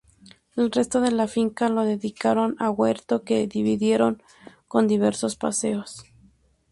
El resto de la finca lo dedicaron a huerto, que dividieron con diversos paseos.